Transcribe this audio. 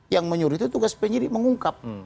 yang menyuruh itu tugas penyidik mengungkap